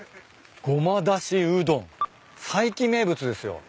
「ごまだしうどん」「佐伯名物」ですよ。